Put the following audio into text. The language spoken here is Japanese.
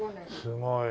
すごい。